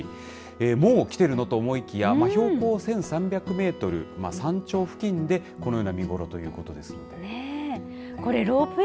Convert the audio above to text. もう来てるのと思いきや標高１３００メートル山頂付近でこのような見頃ということです。